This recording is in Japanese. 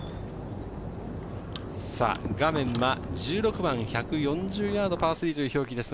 画面は１６番、１４０ヤードパー３という表記です。